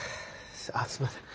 あすいません。